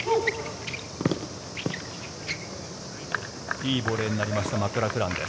いいボレーになりましたマクラクランです。